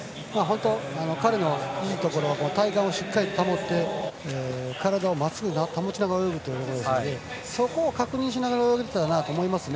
彼のいいところ体幹をしっかり保って体をまっすぐに保ちながら泳ぐということでそこを確認しながら泳げていたなと思いますね。